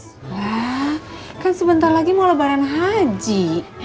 nah kan sebentar lagi mau lebaran haji